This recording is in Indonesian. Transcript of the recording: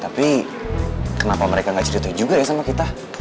tapi kenapa mereka gak setuju juga ya sama kita